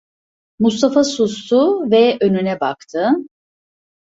Mustafa sustu ve önüne baktı.